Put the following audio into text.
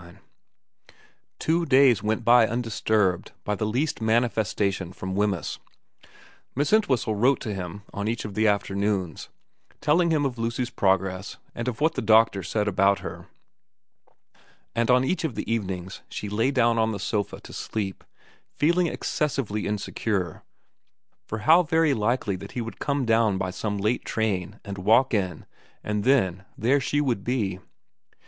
XXIX Two days went by undisturbed by the least manifesta tion from Wemyss. Miss Entwhistle wrote to hirn on each of the afternoons, telling him of Lucy's progress and of what the doctor said about her, and on each of the evenings she lay down on the sofa to sleep feeling excessively insecure, for how very likely that he would come down by some late train and walk in, and then there she would be.